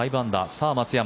さあ、松山。